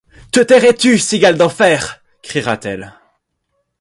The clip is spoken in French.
Te tairas-tu, cigale d’enfer ? cria-t-elle